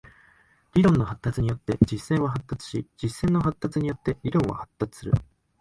理論の発達によって実践は発達し、実践の発達によって理論は発達する。